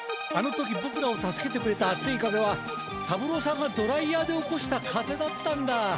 あの時ぼくらを助けてくれたあつい風は三郎さんがドライヤーで起こした風だったんだ！